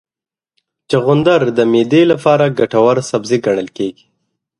چغندر د معدې لپاره ګټور سبزی ګڼل کېږي.